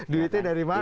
duitnya dari mana